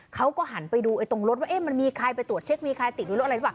เขาก็หันไปดูตรงรถว่ามีใครไปตรวจเท็กติดรถอะไร